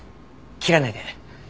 切らないで。